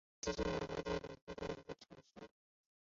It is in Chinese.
里茨兴是德国萨克森州的一个市镇。